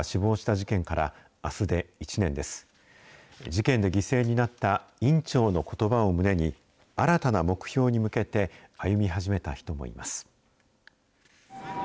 事件で犠牲になった院長のことばを胸に、新たな目標に向けて歩み始めた人もいます。